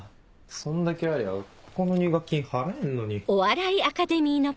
そんだけありゃここの入学金払えんのに。